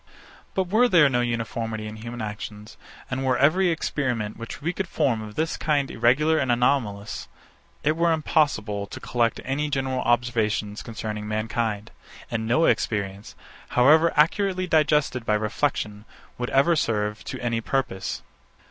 But were there no uniformity in human actions, and were every experiment which we could form of this kind irregular and anomalous, it were impossible to collect any general observations concerning mankind; and no experience, however accurately digested by reflection, would ever serve to any purpose.